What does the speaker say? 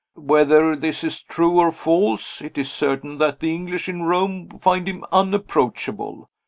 Whether this is true or false, it is certain that the English in Rome find him unapproachable.